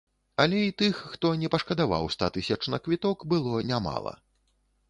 Але і тых, хто не пашкадаваў ста тысяч на квіток, было нямала.